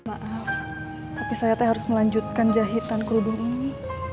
maaf tapi saya harus melanjutkan jahitan kerudung ini